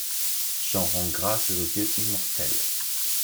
J’en rends grâces aux dieux immortels.